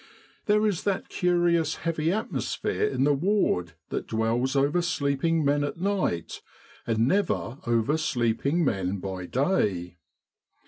There is that curious heavy atmosphere in the ward that dwells over sleep ing men at night, and never oversleeping men by day.